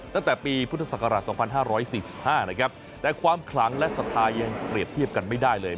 ตั้งแต่ปีพุทธศักราช๒๕๔๕แต่ความคล้างและสะทายยังเปรียบเทียบกันไม่ได้เลย